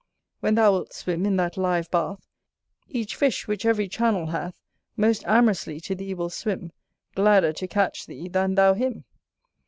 When thou wilt swim in that live bath, Each fish, which every channel hash, Most amorously to thee will swim, Gladder to catch thee, than thou him.